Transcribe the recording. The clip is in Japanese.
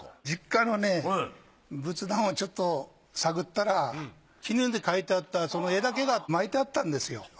実家のね仏壇をちょっと探ったら絹で描いてあったその絵だけが巻いてあったんですよ。